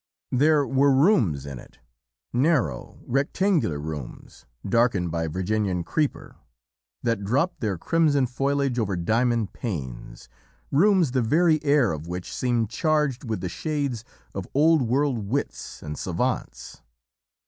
"There were rooms in it, narrow, rectangular rooms darkened by Virginian creeper that dropped their crimson foliage over diamond panes, rooms the very air of which seemed charged with the shades of old world wits and savants.